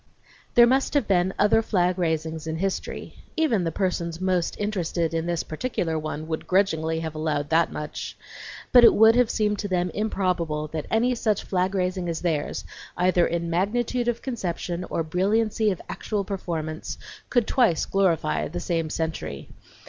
There must have been other flag raisings in history, even the persons most interested in this particular one would grudgingly have allowed that much, but it would have seemed to them improbable that any such flag raising as theirs, either in magnitude of conception or brilliancy of actual performance, could twice glorify the same century.